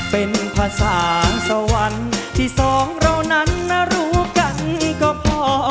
เป็นภาษาสวรรค์ที่สองเรานั้นนะรู้กันก็พอ